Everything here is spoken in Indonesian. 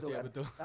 kan gitu kan